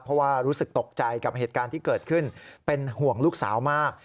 เพราะว่ารู้สึกตกใจกับเหตุการณ์ที่เกิดขึ้นเป็นห่วงลูกสาวมาก